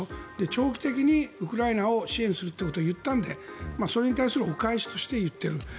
長期的にウクライナを支援するということを言ったのでそれに対するお返しとして言っている。